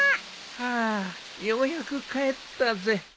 はあようやく帰ったぜ。